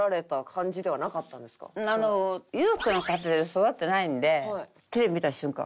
裕福な家庭で育ってないんでテレビ見た瞬間